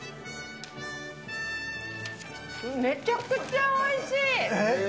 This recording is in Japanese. めちゃくちゃおいしい。